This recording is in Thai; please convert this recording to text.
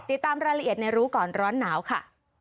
ติดตามรายละเอียดในรู้ก่อนร้อนหนาวค่ะ